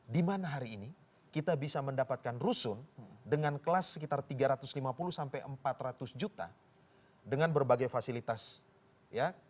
dimana hari ini kita bisa mendapatkan rusun dengan kelas sekitar tiga ratus lima puluh sampai empat ratus juta dengan berbagai fasilitas ya